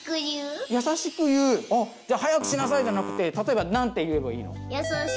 じゃあ「早くしなさい！」じゃなくて例えば何て言えばいいの？